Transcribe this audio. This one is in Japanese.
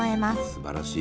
すばらしい。